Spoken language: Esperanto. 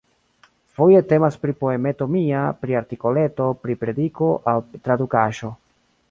Foje temas pri poemeto mia, pri artikoleto, pri prediko aŭ tradukaĵo.